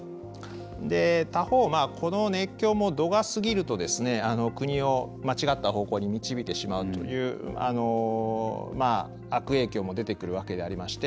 他方この熱狂も度が過ぎると国を間違った方向に導いてしまうという悪影響も出てくるわけでありまして